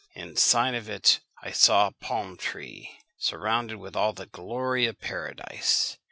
In sign of it I saw a palm tree, surrounded with all the glory of paradise.